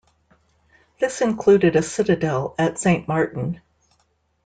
This included a citadel at Saint Martin.